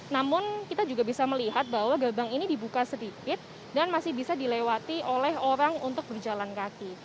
namun kita juga bisa melihat bahwa gerbang ini dibuka sedikit dan masih bisa dilewati oleh orang untuk berjalan kaki